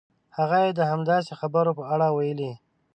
هغه یې د همداسې خبرو په اړه ویلي.